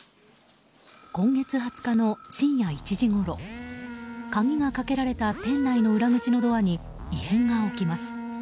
今月２０日の深夜１時ごろ鍵がかけられた店内の裏口のドアに異変が起きます。